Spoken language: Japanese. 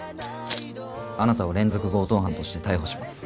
あなたを連続強盗犯として逮捕します。